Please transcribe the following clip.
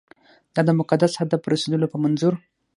دا د مقدس هدف رسېدلو په منظور.